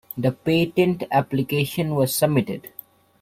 The patent application was submitted.